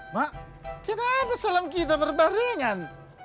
mak kenapa salam kita berbarengan